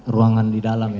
ruangan di dalam